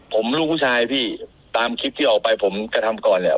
ผมลูกผู้ชายพี่ตามคลิปที่ออกไปผมกระทำก่อนเนี่ย